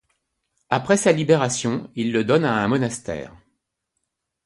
Après sa libération, il le donne à un monastère.